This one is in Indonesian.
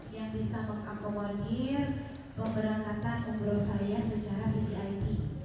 yang bisa mengakomodir pemberangkatan umroh saya secara vvip